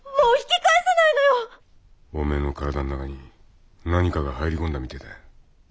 おめえの体の中に何かが入り込んだみてえだよ。